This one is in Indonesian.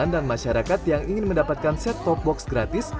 dan masyarakat yang ingin mendapatkan set top box gratis